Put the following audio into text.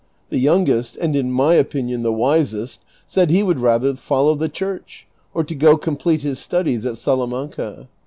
The youngest, and in my opinion the wisest, said he would rather follow the church, or go to complete his studies at Salamanca.